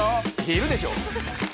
いるでしょ